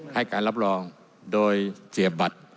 ให้การรับรองโดยเสียบัตร